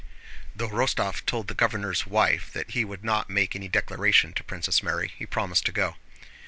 Though Rostóv told the governor's wife that he would not make any declaration to Princess Mary, he promised to go.